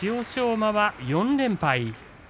馬は４連敗。